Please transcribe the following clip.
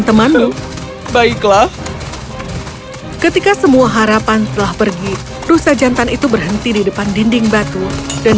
temanmu baiklah ketika semua harapan telah pergi rusa jantan itu berhenti di depan dinding batu dan